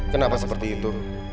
kenapa seperti itu